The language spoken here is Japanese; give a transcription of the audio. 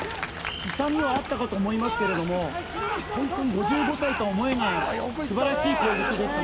痛みはあったかと思いますけれどもホントに５５歳とは思えない素晴らしい攻撃でしたね